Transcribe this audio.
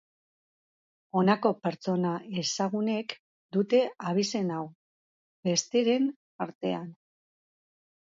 Honako pertsona ezagunek dute abizen hau, besteren artean.